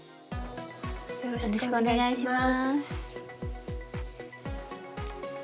よろしくお願いします。